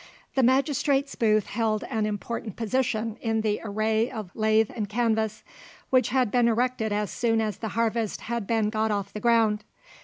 The magistrates' booth held an important position in the array of lath and canvas, which had been erected as soon as the harvest had been got off the ground.